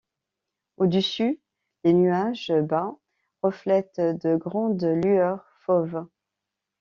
Au-dessus, les nuages bas reflètent de grandes lueurs fauves.